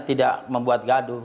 tidak membuat gaduh